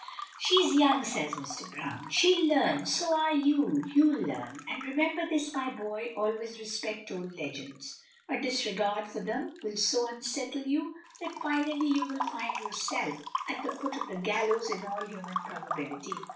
"She's young," says Mr. Browne. "She'll learn. So are you you'll learn. And remember this, my boy, always respect old legends. A disregard for them will so unsettle you that finally you will find yourself at the foot of the gallows in all human probability.